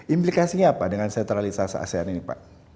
implikasinya apa dengan sentralisasi asean ini pak